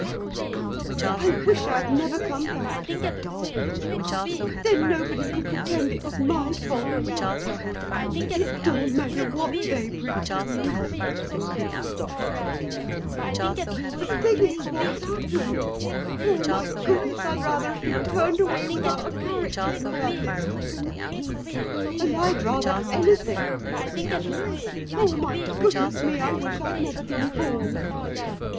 'I wish I'd never come back,' said the nurse. 'Then nobody could pretend it was my fault.' 'It don't matter what they pretend,' the cook stopped crying to say. 'The thing is what's happened. Oh, my goodness. I'd rather have been turned away without a character than have had this happen.' 'And I'd rather _any_thing,' said the nurse. 'Oh, my goodness me. I wish I'd never been born.'